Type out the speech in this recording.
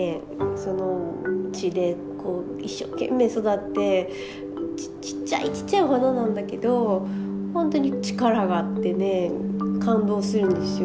その地で一生懸命育ってちっちゃいちっちゃいお花なんだけどほんとに力があってね感動するんですよ。